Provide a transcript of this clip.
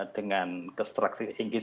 dengan kestruktif engagement